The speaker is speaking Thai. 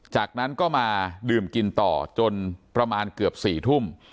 จากนั้นก็มาดื่มกินต่อจนประมาณเกือบ๔ทุ่ม